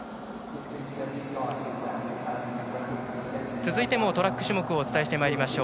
続いてもトラック種目をお伝えしてまいりましょう。